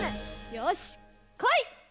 よしこい！